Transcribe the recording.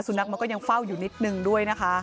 สุณักก็ยังเป็นเป้าอยู่นิดนึงด้วยนะคะ